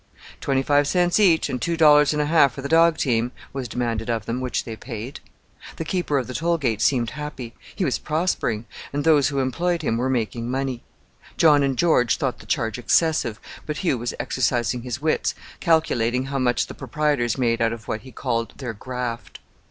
"Twenty five cents each, and two dollars and a half for the dog team," was demanded of them, which they paid. The keeper of the toll gate seemed happy; he was prospering, and those who employed him were making money. John and George thought the charge excessive, but Hugh was exercising his wits, calculating how much the proprietors made out of what he called their "graft."